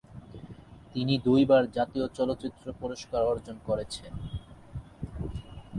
তিনি দুইবার জাতীয় চলচ্চিত্র পুরস্কার অর্জন করেছেন।